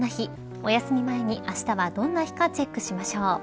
おやすみ前に、あしたはどんな日かチェックしましょう。